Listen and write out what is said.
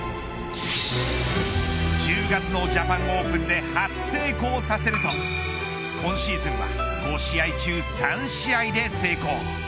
１０月のジャパンオープンで初成功させると今シーズンは５試合中３試合で成功。